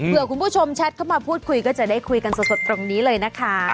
เพื่อคุณผู้ชมแชทเข้ามาพูดคุยก็จะได้คุยกันสดตรงนี้เลยนะคะ